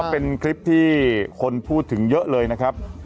เป็นคลิปที่คนพูดถึงเยอะเลยนะครับ